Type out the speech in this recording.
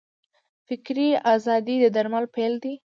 فکري ازادي د درمل پیل دی.